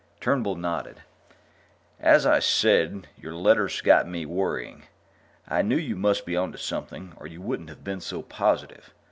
Turnbull nodded. "As I said, your letters got me worrying. I knew you must be on to something or you wouldn't have been so positive.